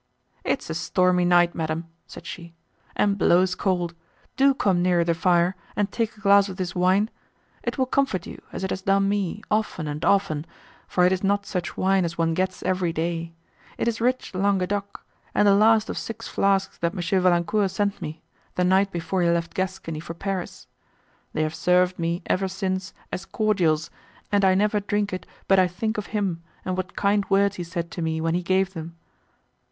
"It is a stormy night, madam," said she, "and blows cold—do come nearer the fire, and take a glass of this wine; it will comfort you, as it has done me, often and often, for it is not such wine as one gets every day; it is rich Languedoc, and the last of six flasks that M. Valancourt sent me, the night before he left Gascony for Paris. They have served me, ever since, as cordials, and I never drink it, but I think of him, and what kind words he said to me when he gave them.